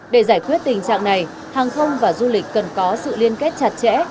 để giải quyết tình trạng này hàng không và du lịch cần có sự liên kết chặt chẽ